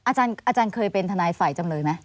อาจารย์เคยเป็นทนายฝ่ายจำเลยไหม